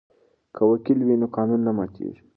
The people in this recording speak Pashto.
که وکیل وي نو قانون نه ماتیږي.